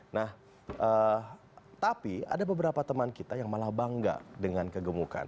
nah tapi ada beberapa teman kita yang malah bangga dengan kegemukan